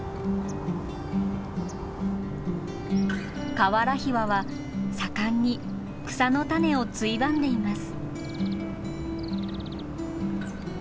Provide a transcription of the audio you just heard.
カワラヒワは盛んに草の種をついばんでいます。